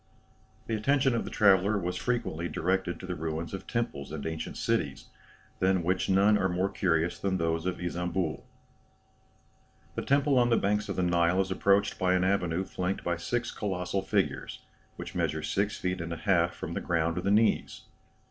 The attention of the traveller was frequently directed to the ruins of temples and ancient cities, than which none are more curious than those of Isambul. "The temple on the banks of the Nile is approached by an avenue flanked by six colossal figures, which measure six feet and a half from the ground to the knees.